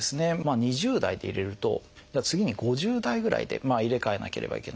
２０代で入れると次に５０代ぐらいで入れ替えなければいけない。